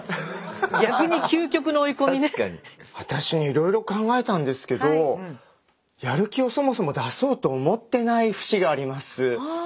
私ねいろいろ考えたんですけどやる気をそもそも出そうと思ってない節があります。